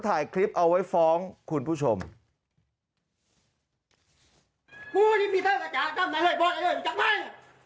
บอกว่าผู้หญิงจะไปหลังจากหมู่บ้าน